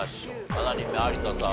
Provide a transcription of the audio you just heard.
７人目有田さん